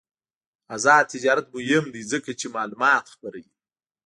آزاد تجارت مهم دی ځکه چې معلومات خپروي.